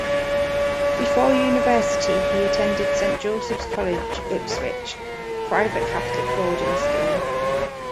Before university he attended Saint Joseph's College, Ipswich, a private Catholic boarding school.